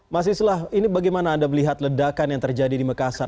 mas islah ini bagaimana anda melihat ledakan yang terjadi di makassar